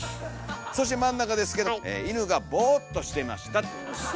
そして真ん中ですけども「犬がボーっとしていました」と。